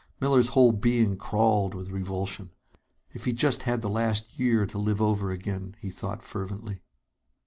Miller's whole being crawled with revulsion. If he just had the last year to live over again, he thought fervently.